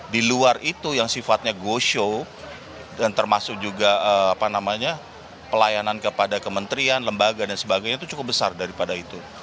di luar itu yang sifatnya go show dan termasuk juga pelayanan kepada kementerian lembaga dan sebagainya itu cukup besar daripada itu